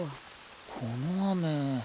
この雨。